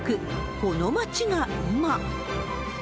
この町が今。